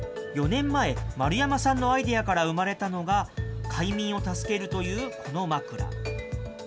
４年前、丸山さんのアイデアから生まれたのが、快眠を助けるというこの枕。